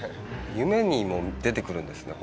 夢にも出てくるんですね